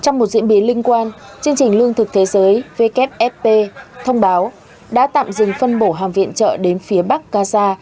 trong một diễn biến liên quan chương trình lương thực thế giới wfp thông báo đã tạm dừng phân bổ hàng viện trợ đến phía bắc gaza